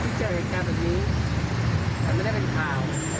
ที่เจอแห่งการแบบนี้แต่ไม่ได้เป็นข่าว